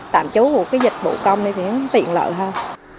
tạm chú của dịch vụ công thì tiện lợi hơn